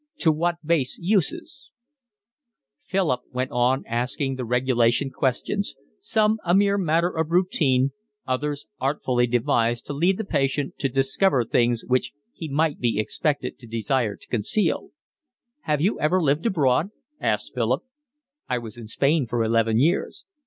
"To what base uses…" Philip went on asking the regulation questions, some a mere matter of routine, others artfully devised to lead the patient to discover things which he might be expected to desire to conceal. "Have you ever lived abroad?" asked Philip. "I was in Spain for eleven years."